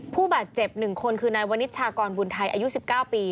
ผู้บาดเจ็บ๑คนคือนายวนิชชากรบุญไทยอายุ๑๙ปี